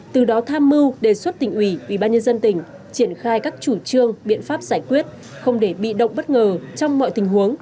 từ đó tham mưu đề xuất tỉnh ủy ubnd tỉnh triển khai các chủ trương biện pháp giải quyết không để bị động bất ngờ trong mọi tình huống